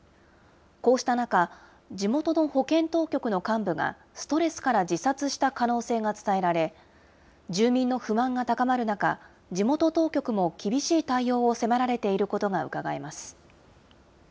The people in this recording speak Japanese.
こうした中、地元の保健当局の幹部が、ストレスから自殺した可能性が伝えられ、住民の不満が高まる中、地元当局も厳しい対応を迫られていることがうかがえます。